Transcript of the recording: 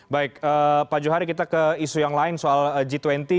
baik pak johari kita ke isu yang lain soal g dua puluh